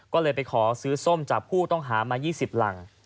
ก็เลยไปขอซื้อส้มจากผู้ต้องหามา๒๐หลัง